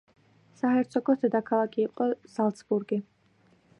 საჰერცოგოს დედაქალაქი იყო ზალცბურგი.